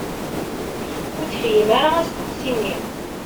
Ur tefhim ara asteqsi-nni.